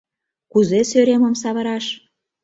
Кузе сӧремым савыраш?